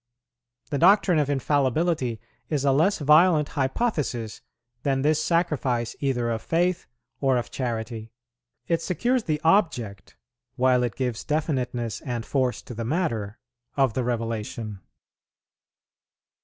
The doctrine of infallibility is a less violent hypothesis than this sacrifice either of faith or of charity. It secures the object, while it gives definiteness and force to the matter, of the Revelation.